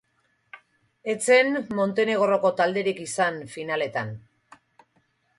Ez zen Montenegroko talderik izan finaletan.